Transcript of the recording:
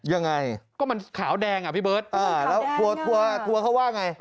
ยังไงก็มันขาวแดงอ่ะพี่เบิร์ตอ่าแล้วถั่วเขาว่าไง